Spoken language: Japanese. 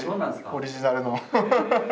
オリジナルの。